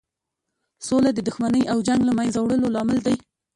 سوله د دښمنۍ او جنګ له مینځه وړلو لامل دی.